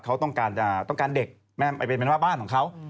เขาต้องการเด็กเป็นบ้านของเขา